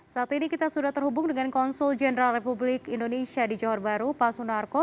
saat ini kita sudah terhubung dengan konsul jenderal republik indonesia di johor baru pak sunarko